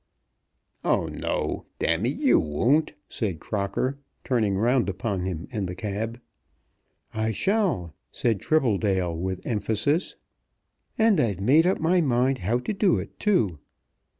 "Oh, no, damme; you won't," said Crocker turning round upon him in the cab. "I shall!" said Tribbledale with emphasis. "And I've made up my mind how to do it too.